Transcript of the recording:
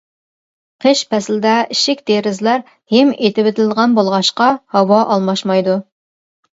قىش پەسلىدە ئىشىك-دېرىزىلەر ھىم ئېتىۋېتىلىدىغان بولغاچقا، ھاۋا ئالماشمايدۇ.